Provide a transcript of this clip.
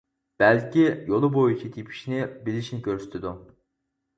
بەلكى يولى بويىچە تېپىشنى بىلىشنى كۆرسىتىدۇ.